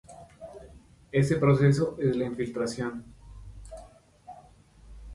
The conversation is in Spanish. Este proceso es la infiltración.